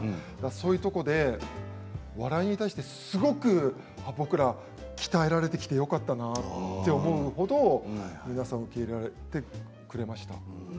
そういうところで笑いに対してすごく僕ら鍛えられてきてよかったなって思う程皆さん受け入れてくれました。